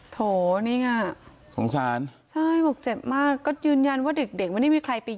โถนี่ไงสงสารใช่บอกเจ็บมากก็ยืนยันว่าเด็กเด็กไม่ได้มีใครไป